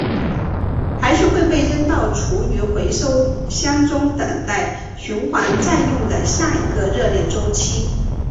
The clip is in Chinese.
还是会被扔在厨余回收箱中等待循环再用的下一个热恋周期？